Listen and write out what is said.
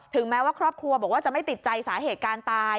แม้ว่าครอบครัวบอกว่าจะไม่ติดใจสาเหตุการตาย